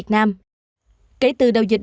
nam định hai năm trăm chín mươi chín